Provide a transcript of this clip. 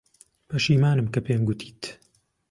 پەشیمانم کە پێم گوتیت.